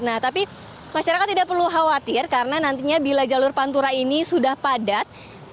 nah tapi masyarakat tidak perlu khawatir karena nantinya bila jalur pantura ini sudah padat